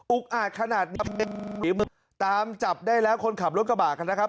อาจขนาดนี้ตามจับได้แล้วคนขับรถกระบะกันนะครับ